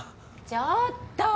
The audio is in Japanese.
ちょっと！